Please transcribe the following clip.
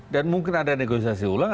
dan mungkin ada negosiasi ulang